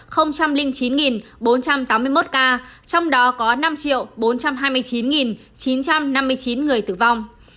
không trăm linh chín bốn trăm tám mươi một ca trong đó có năm triệu bốn trăm hai mươi chín chín trăm năm mươi chín người tử vong